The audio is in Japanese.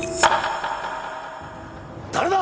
誰だ？